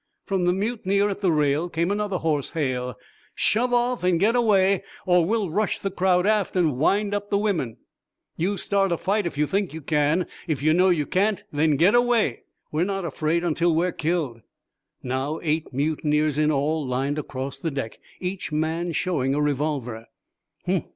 From the mutineer at the rail came another hoarse hail: "Shove off and get away, or we'll rush the crowd aft and wind up the women! You start a fight if you think you can. If you know you can't, then get away. We're not afraid until we're killed." Now, eight mutineers, in all, lined across the deck, each man showing a revolver.